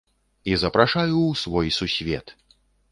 І запрашаю у свой сусвет!